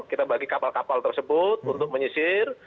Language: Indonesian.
kita bagi kapal kapal tersebut untuk menyisir